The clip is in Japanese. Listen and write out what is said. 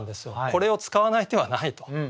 これを使わない手はないと。